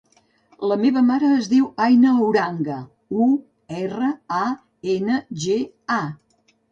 La meva mare es diu Aina Uranga: u, erra, a, ena, ge, a.